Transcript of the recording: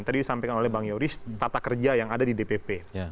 tadi disampaikan oleh bang yoris tata kerja yang ada di dpp